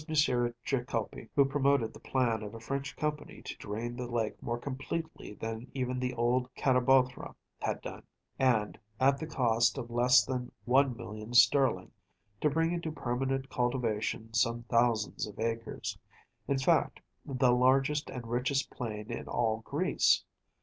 Trikoupi who promoted the plan of a French Company to drain the lake more completely than even the old Catabothra had done, and, at the cost of less than one million sterling, to bring into permanent cultivation some thousands of acres‚ÄĒin fact, the largest and richest plain in all Greece.